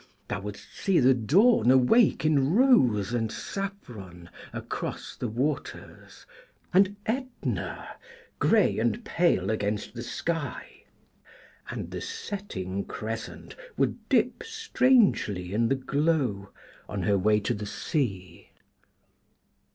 Thou wouldst see the Dawn awake in rose and saffron across the waters, and Etna, grey and pale against the sky, and the setting crescent would dip strangely in the glow, on her way to the sea.